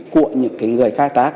của những người khai tác